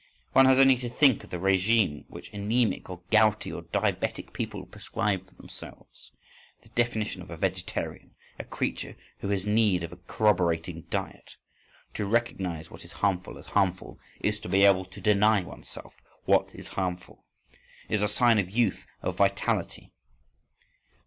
One has only to think of the régime which anæmic, or gouty, or diabetic people prescribe for themselves. The definition of a vegetarian: a creature who has need of a corroborating diet. To recognise what is harmful as harmful, to be able to deny oneself what is harmful, is a sign of youth, of vitality.